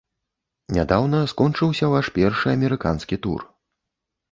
Нядаўна скончыўся ваш першы амерыканскі тур.